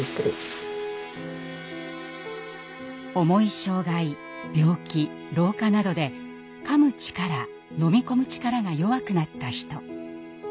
重い障害病気老化などでかむ力飲み込む力が弱くなった人。